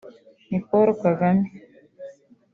Ni Paul Kagame